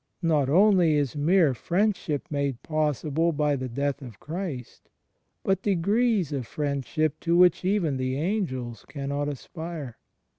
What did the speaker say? Not only is mere friendship made possible by the death of Christ, but degrees of friendship to which even the angels cannot aspire.